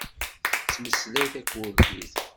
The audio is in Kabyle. Tettmeslay takurdit.